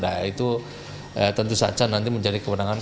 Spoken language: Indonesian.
nah itu tentu saja nanti menjadi kewenangan